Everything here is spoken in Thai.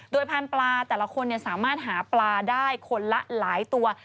โดยพานปลาแต่นละคนเนี่ยสามารถหาปลาได้คนละหลายตัว